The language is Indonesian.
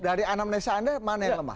dari anamnesa anda mana yang lemah